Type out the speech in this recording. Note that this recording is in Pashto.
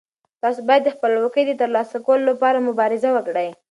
تاسو باید د خپلواکۍ د ترلاسه کولو لپاره مبارزه وکړئ.